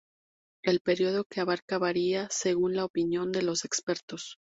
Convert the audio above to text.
El periodo que abarca varía según la opinión de los expertos.